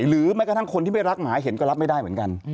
แม้กระทั่งคนที่ไม่รักหมาเห็นก็รับไม่ได้เหมือนกัน